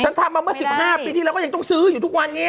ทำมาเมื่อ๑๕ปีที่เราก็ยังต้องซื้ออยู่ทุกวันนี้